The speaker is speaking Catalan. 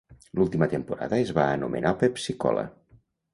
L'última temporada es va anomenar Pepsi-Cola.